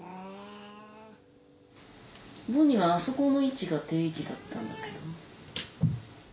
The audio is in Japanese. ボニーはあそこの位置が定位置だったんだけどな。